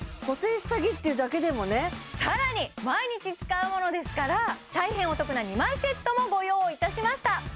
補整下着っていうだけでもね更に毎日使うものですから大変お得な２枚セットもご用意いたしました